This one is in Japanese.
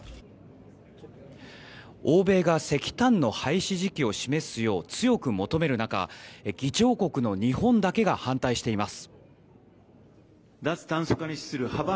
欧米が石炭の廃止時期を示すよう強く求める中議長国の日本だけが反対しています。